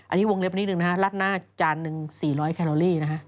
อันนี้วงเล็บนิดนึงร้าดหน้าจานหนึ่ง๔๐๐แคโลลี่